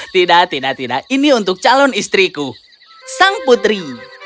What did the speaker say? tidak tidak tidak ini untuk calon istriku sang putri